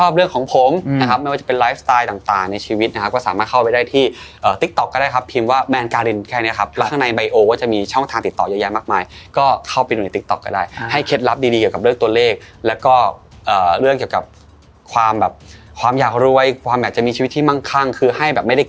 เพราะฉะนั้นตัวเลขมันก็จะมีความสัมพันธ์ในชีวิตของเรา